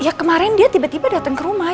ya kemaren dia tiba tiba dateng ke rumah